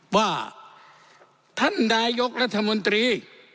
ว่าท่านนายกรัฐมนตรี